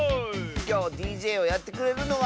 きょうＤＪをやってくれるのは。